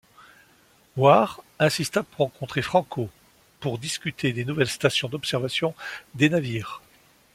Hoare insista pour rencontrer Franco pour discuter des nouvelles stations d'observation des navires.